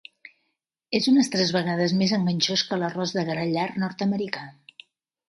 És unes tres vegades més enganxós que l'arròs de gra llarg nord-americà.